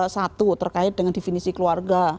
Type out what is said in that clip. satu terkait dengan definisi keluarga